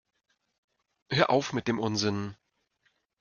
Hör auf mit dem Unsinn!